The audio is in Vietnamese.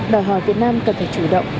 đòi hỏi việt nam cần phải chủ động